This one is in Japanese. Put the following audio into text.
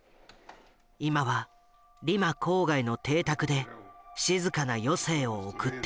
今はリマ郊外の邸宅で静かな余生を送っている。